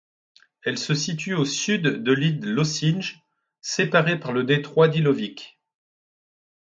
Elle se situe au sud de l'île Lošinj, séparé par le détroit d'Ilovik.